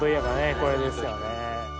これですよね。